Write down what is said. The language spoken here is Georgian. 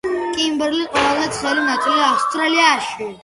კიმბერლი ყველაზე ცხელი ნაწილია ავსტრალიაში.